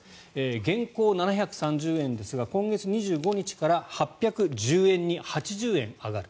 現行、７３０円ですが今月２５日から８１０円に８０円上がる。